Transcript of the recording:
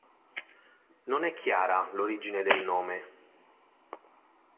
Non è chiara l'origine del nome.